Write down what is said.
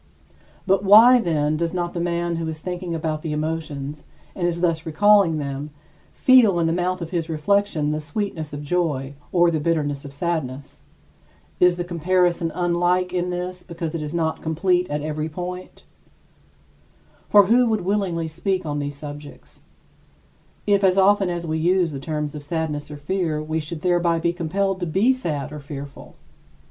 But why, then, does not the man who is thinking about the emotions, and is thus recalling them, feel in the mouth of his reflection the sweetness of joy or the bitterness of sadness? Is the comparison unlike in this because it is not complete at every point? For who would willingly speak on these subjects, if as often as we used the term sadness or fear, we should thereby be compelled to be sad or fearful?